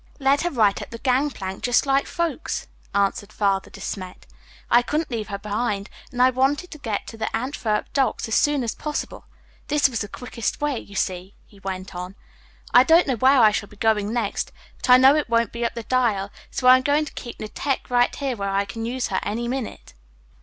"Led her right up the gangplank just like folks," answered Father De Smet. "I couldn't leave her behind and I wanted to get to the Antwerp docks as soon as possible. This was the quickest way. You see," he went on, "I don't know where I shall be going next, but I know it won't be up the Dyle, so I am going to keep Netteke right where I can use her any minute."